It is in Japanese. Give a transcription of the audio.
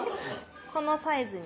このサイズに。